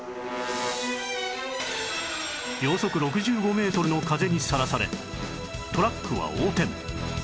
秒速６５メートルの風にさらされトラックは横転